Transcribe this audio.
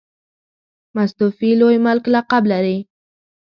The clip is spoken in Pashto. مستوفي لوی ملک لقب لري.